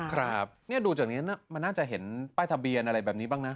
ครับนี่ดูจากนี้มันน่าจะเห็นป้ายทะเบียนอะไรแบบนี้บ้างนะ